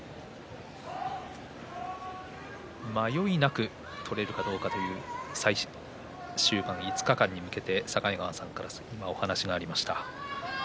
迷いなく取れるかどうかという、終盤５日間に向けて境川さんからそんなお話がありました。